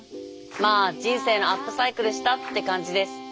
まあ人生のアップサイクルしたって感じです。